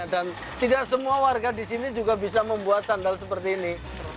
dan tidak semua warga di sini juga bisa membuat sandal seperti ini